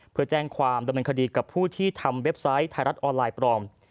เพื่อแจ้งความดำเนินคดีกับผู้ที่ทำเว็บไซต์ไทยรัฐออนไลน์ปลอม